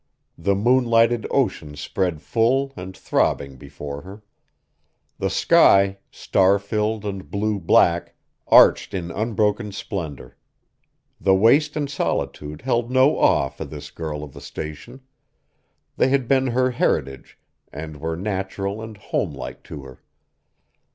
The moon lighted ocean spread full and throbbing before her. The sky, star filled and blue black, arched in unbroken splendor. The waste and solitude held no awe for this girl of the Station. They had been her heritage and were natural and homelike to her.